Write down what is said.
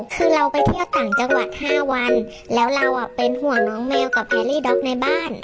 คือเราไปเที่ยวต่างจังหวัด๕วันแล้วเราเป็นห่วงน้องแมวกับแพรรี่ด๊อกในบ้าน